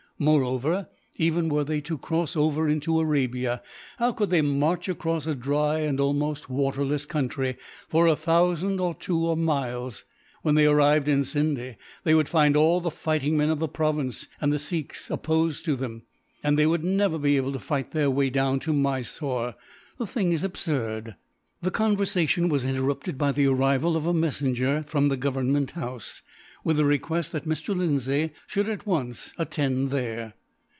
Moreover, even were they to cross over into Arabia, how could they march across a dry and almost waterless country, for a thousand or two of miles? When they arrived in Scinde they would find all the fighting men of the province, and the Sikhs, opposed to them; and they would never be able to fight their way down to Mysore. The thing is absurd." The conversation was interrupted by the arrival of a messenger, from the Government House, with a request that Mr. Lindsay should at once attend there.